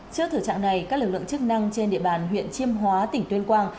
trước thử trạng này các lực lượng chức năng trên địa bàn huyện chiêm hóa tỉnh tuyên quang